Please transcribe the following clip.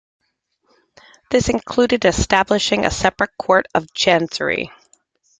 This included establishing a separate Court of Chancery.